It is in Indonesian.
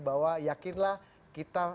bahwa yakinlah kita